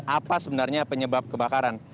apa sebenarnya penyebab kebakaran